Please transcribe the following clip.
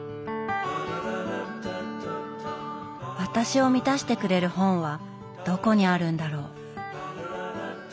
私を満たしてくれる本はどこにあるんだろう。